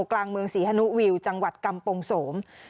กลางเมืองศรีฮนุวิวจังหวัดกำปงโสม